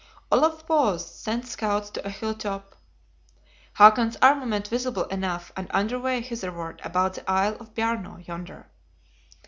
Olaf paused; sent scouts to a hill top: "Hakon's armament visible enough, and under way hitherward, about the Isle of Bjarno, yonder!"